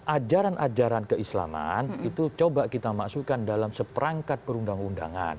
ajaran ajaran keislaman itu coba kita masukkan dalam seperangkat perundang undangan